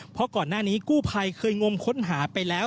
เพราะก่อนหน้านี้กู้ภัยเคยงมค้นหาไปแล้ว